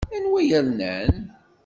Anwa i yernan?